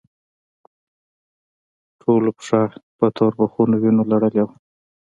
ټوله پښه په توربخونو وينو لړلې وه.